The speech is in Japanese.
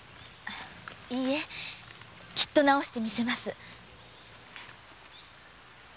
いいえきっと治してみせます。